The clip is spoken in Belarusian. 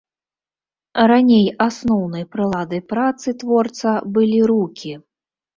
Раней асноўнай прыладай працы творца былі рукі.